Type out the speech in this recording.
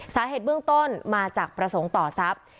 สาเหตุเบื้องต้นมาจากประสงค์ต่อทรัพย์